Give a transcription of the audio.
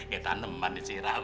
ya taneman siram